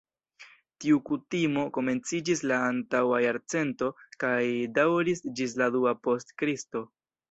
Tiu kutimo komenciĝis la antaŭa jarcento kaj daŭris ĝis la dua post Kristo.